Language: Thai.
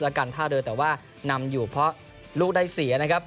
และการท่าเรือแต่ว่านำอยู่เพราะลูกได้เสียนะครับ